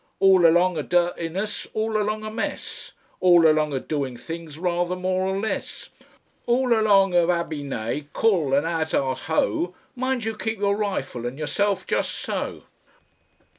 All along o' dirtiness, all along o' mess, All along o' doin' things rather more or less, All along of abby nay, kul, an' hazar ho, Mind you keep your rifle an' yourself jus' so!"